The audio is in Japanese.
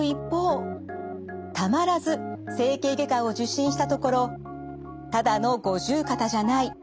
たまらず整形外科を受診したところ「ただの五十肩じゃない。